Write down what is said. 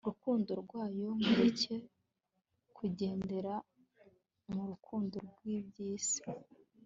rukundo rwayo, mureke kugendera mu rukundo rw'iby'isi